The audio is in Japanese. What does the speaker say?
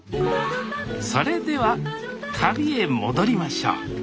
それでは旅へ戻りましょう。